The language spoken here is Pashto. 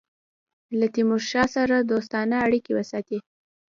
له تیمورشاه سره دوستانه اړېکي وساتي.